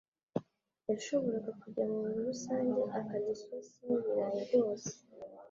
Yashoboraga kujya munzu rusange akarya isosi n'ibirayi rwose